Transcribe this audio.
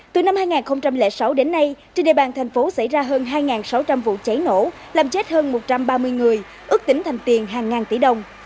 từ năm hai nghìn sáu đến nay trên địa bàn thành phố xảy ra hơn hai sáu trăm linh vụ cháy nổ làm chết hơn một trăm ba mươi người ước tính thành tiền hàng ngàn tỷ đồng